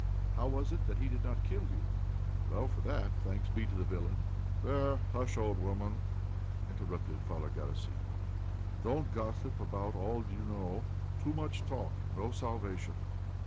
How was it that he did not kill you? Well, for that, thanks be to the villain." "There, hush, old woman," interrupted Father Garasim; "don't gossip about all you know; too much talk, no salvation.